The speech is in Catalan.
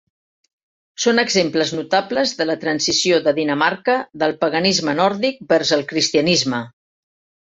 Són exemples notables de la transició de Dinamarca del paganisme nòrdic vers el cristianisme.